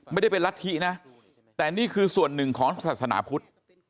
ไม่ได้เป็นรัฐธินะแต่นี่คือส่วนหนึ่งของศาสนาพุทธ